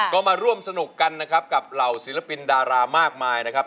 ก็มาร่วมสนุกกันนะครับกับเหล่าศิลปินดารามากมายนะครับ